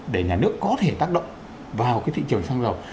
để nhà nước có thể tác động vào cái thị trường xăng dầu